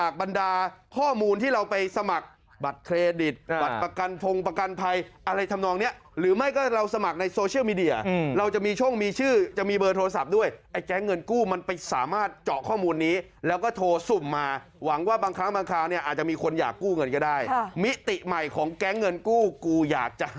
บรรดาข้อมูลที่เราไปสมัครบัตรเครดิตบัตรประกันพงประกันภัยอะไรทำนองเนี้ยหรือไม่ก็เราสมัครในโซเชียลมีเดียเราจะมีช่องมีชื่อจะมีเบอร์โทรศัพท์ด้วยไอ้แก๊งเงินกู้มันไปสามารถเจาะข้อมูลนี้แล้วก็โทรสุ่มมาหวังว่าบางครั้งบางคราวเนี่ยอาจจะมีคนอยากกู้เงินก็ได้มิติใหม่ของแก๊งเงินกู้กูอยากจะ